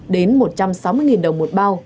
đến một trăm sáu mươi đồng một bao